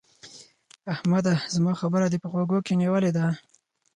احمده! زما خبره دې په غوږو کې نيولې ده؟